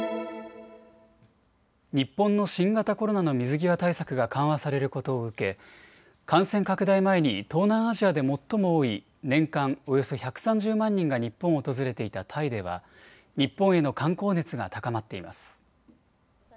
日本の新型コロナの水際対策が緩和されることを受け感染拡大前に東南アジアで最も多い年間およそ１３０万人が日本を訪れていたタイでは日本への観光熱が高まっています。